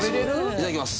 いただきます。